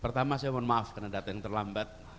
pertama saya mohon maaf karena datang terlambat